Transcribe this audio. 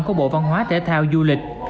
của bộ văn hóa thể thao du lịch